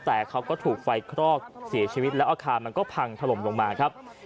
แต่เขาก็ถูกไฟคลอกเสียชีวิตแล้วอาคารมันก็พังถล่มลงมาครับ